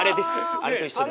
あれと一緒です。